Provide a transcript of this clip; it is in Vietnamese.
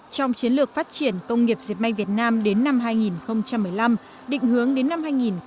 trong chiến lược phát triển công nghiệp dẹp may việt nam đến năm hai nghìn một mươi năm định hướng đến năm hai nghìn hai mươi